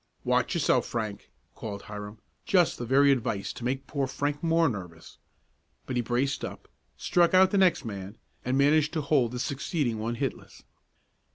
"Watch yourself, Frank," called Hiram just the very advice to make poor Frank more nervous. But he braced up, struck out the next man, and managed to hold the succeeding one hitless.